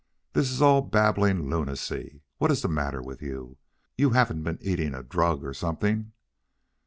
"This is all babbling lunacy. What is the matter with you? You haven't been eating a drug or something?"